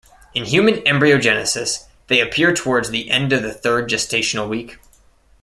In human embryogenesis they appear towards the end of the third gestational week.